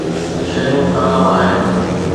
شيون خراب آهن.